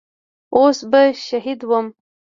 اوس به شهيد وم.